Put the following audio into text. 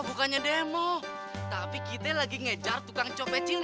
bukannya demo tapi kita lagi ngejar tukang copet cilik